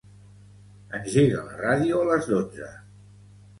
Engega la ràdio a les dotze.